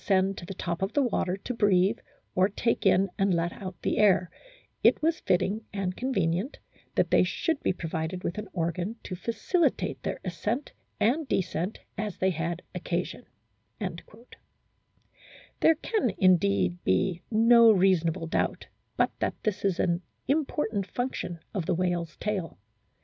For it being necessary that these fishes should frequently ascend to the top of the water to breathe or take in and let out the air, it was fitting and convenient that they should be provided with an organ to facilitate their ascent and descent as they had occasion." There can indeed be no reasonable doubt but that this is an important function of the whale's tail.